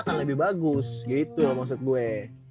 akan lebih bagus gitu maksud gue